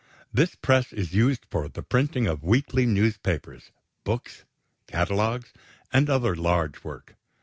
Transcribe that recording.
This press is used for the printing of weekly newspapers, books, catalogues, and other large work.